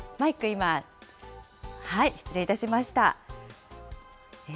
今、失礼いたしました。